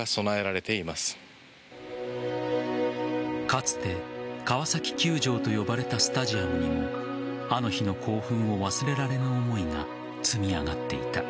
かつて川崎球場と呼ばれたスタジアムにもあの日の興奮を忘れられぬ思いが積み上がっていた。